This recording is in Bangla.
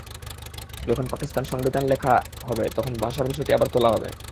যখন পাকিস্তান সংবিধান লেখা হবে, তখন ভাষার বিষয়টি আবার তোলা হবে।